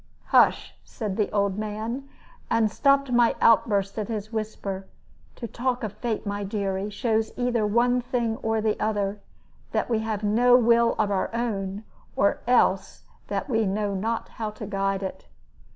"Hush!" said the old man; and I stopped my outburst at his whisper. "To talk of fate, my dearie, shows either one thing or the other that we have no will of our own, or else that we know not how to guide it.